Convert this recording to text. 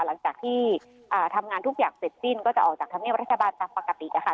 หลังจากที่ทำงานทุกอย่างเสร็จสิ้นก็จะออกจากธรรมเนียบรัฐบาลตามปกตินะคะ